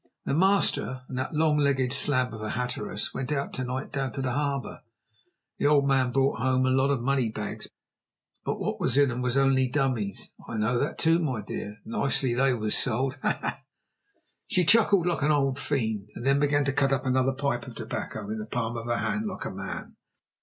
"The master and that long legged slab of a Hatteras went out to night down the harbour. The old man brought home a lot of money bags, but what was in 'em was only dummies." "I know that, too, my dear. Nicely they was sold. Ha! ha!" She chuckled like an old fiend, and then began to cut up another pipe of tobacco in the palm of her hand like a man.